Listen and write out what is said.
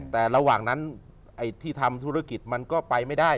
แต่ระหว่างนั้นไอ้ที่ทำธุรกิจมันก็ไปไม่ได้